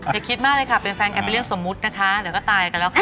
อย่าคิดมากเลยค่ะเป็นแฟนกันเป็นเรื่องสมมุตินะคะเดี๋ยวก็ตายกันแล้วค่ะ